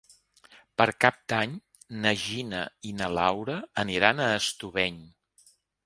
Per Cap d'Any na Gina i na Laura aniran a Estubeny.